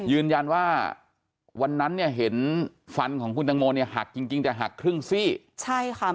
ยืนยันว่าวันนั้นเนี่ยเห็นฟันของคุณตังโมเนี่ยหักจริงจริงแต่หักครึ่งซี่ใช่ค่ะ